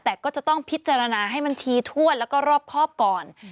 แต่ก็จะต้องพิจารณาให้มันทีถ้วนแล้วก็รอบครอบก่อน